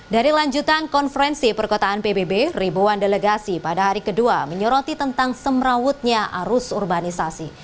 dari lanjutan konferensi perkotaan pbb ribuan delegasi pada hari kedua menyoroti tentang semrawutnya arus urbanisasi